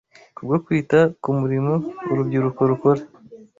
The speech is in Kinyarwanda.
Kubwo kwita ku murimo urubyiruko rukora,